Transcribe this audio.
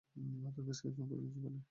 তোর প্রেসক্রিপশনের প্রয়োজন হবে না।